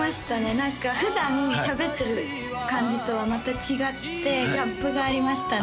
何か普段しゃべってる感じとはまた違ってギャップがありましたね